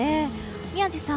宮司さん